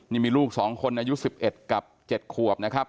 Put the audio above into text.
นี่มีลูกสองคนอายุสิบเอ็ดกับเจ็ดขวบนะครับ